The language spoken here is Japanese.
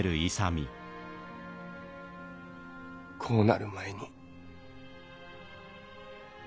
こうなる前に。